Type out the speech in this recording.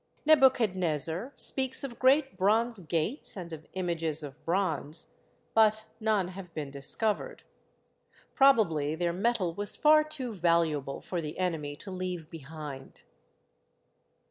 Nebuchadnezzar speaks of great bronze gates and of images of bronze, but none have been discovered. Prob ably their metal was far too valuable for the enemy to leave behind.